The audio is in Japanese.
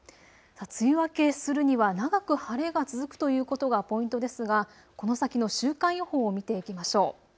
梅雨明けするには長く晴れが続くということがポイントですがこの先の週間予報を見ていきましょう。